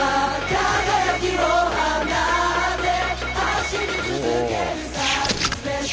輝きを放って走り続けるさ。